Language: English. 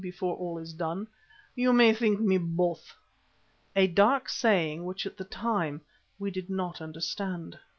before all is done) you may think me both," a dark saying which at the time we did not understand.